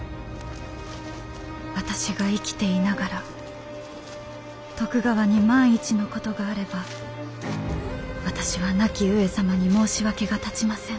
「私が生きていながら徳川に万一のことがあれば私は亡き上様に申し訳が立ちません。